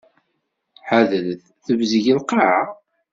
Ḥadret! Tebzeg lqaεa.